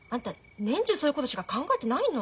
年中そういうことしか考えてないの？